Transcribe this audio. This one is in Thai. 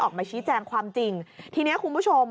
ออกมาชี้แจงความจริงทีนี้คุณผู้ชม